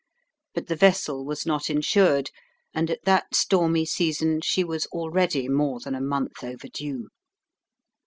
But the vessel was not insured, and at that stormy season she was already more than a month overdue.